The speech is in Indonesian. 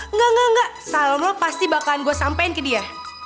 enggak enggak enggak salon lo pasti bakalan gue sampein ke dia